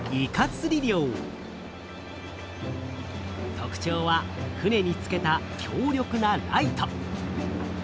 特ちょうは船に付けた強力なライト。